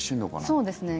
そうですね。